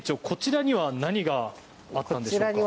こちらには何があったんですか？